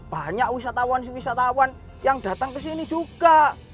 banyak wisatawan wisatawan yang datang kesini juga